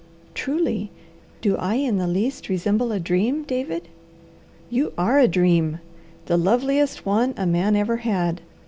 "Truly, do I in the least resemble a dream, David?" "You are a dream. The loveliest one a man ever had.